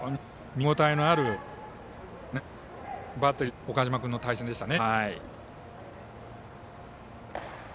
非常に見応えのあるバッテリーと岡島君の対戦でしたね。